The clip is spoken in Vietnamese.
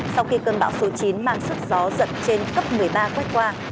sau khi cơn bão số chín mang sức gió giật trên cấp một mươi ba quét qua